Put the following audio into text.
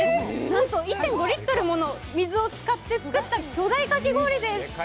なんと１．５リットルもの水を使って作った巨大かき氷です。